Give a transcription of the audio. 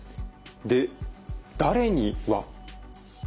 で「誰に」は？